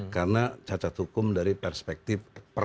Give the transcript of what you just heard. karena cacat hukum dari perspektif